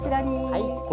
はい。